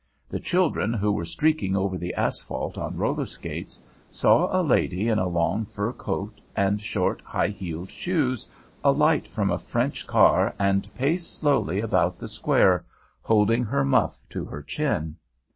The children who were streaking over the asphalt on roller skates saw a lady in a long fur coat, and short, high heeled shoes, alight from a French car and pace slowly about the Square, holding her muff to her chin.